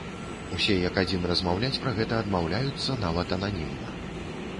Усе як адзін размаўляць пра гэта адмаўляюцца нават ананімна.